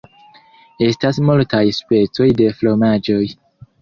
Estas multaj specoj de fromaĝoj.